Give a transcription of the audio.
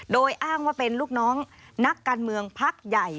โดยอ้างว่าเป็นลูกน้องนักการเมืองพักใหญ่